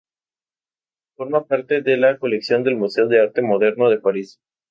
Forma parte de la colección del Museo de Arte Moderno de París.